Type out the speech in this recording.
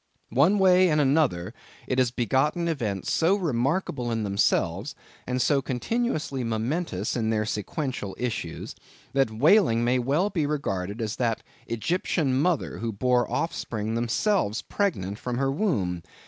One way and another, it has begotten events so remarkable in themselves, and so continuously momentous in their sequential issues, that whaling may well be regarded as that Egyptian mother, who bore offspring themselves pregnant from her womb.